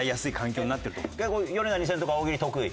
ヨネダ２０００とか大喜利得意？